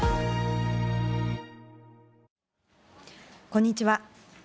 こんにちは。